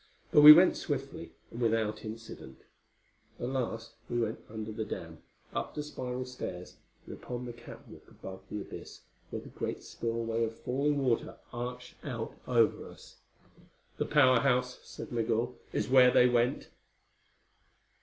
But we went swiftly, and without incident. At last we went under the dam, up the spiral stairs and upon the catwalk above the abyss, where the great spillway of falling water arched out over us. "The Power House," said Migul, "is where they went."